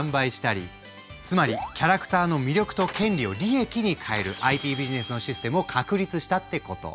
つまりキャラクターの魅力と権利を利益に変えるＩＰビジネスのシステムを確立したってこと。